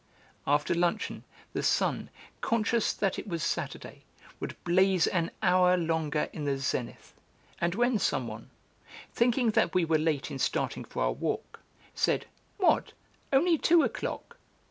After luncheon the sun, conscious that it was Saturday, would blaze an hour longer in the zenith, and when some one, thinking that we were late in starting for our walk, said, "What, only two o'clock!"